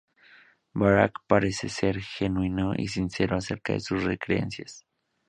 Barack parece ser genuino y sincero acerca de sus creencias.